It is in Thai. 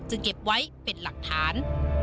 เก็บไว้เป็นหลักฐาน